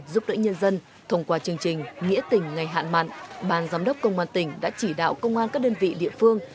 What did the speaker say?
giúp đỡ nhân dân thông qua chương trình nghĩa tỉnh ngày hạn mặn ban giám đốc công an tỉnh đã chỉ đạo công an các đơn vị địa phương